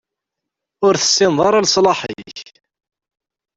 Ur tessineḍ ara leṣlaḥ-ik.